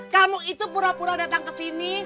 kamu itu pura pura datang kesini